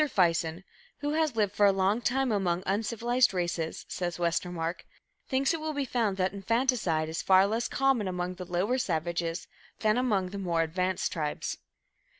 Fison who has lived for a long time among uncivilized races," says Westermark, "thinks it will be found that infanticide is far less common among the lower savages than among the more advanced tribes."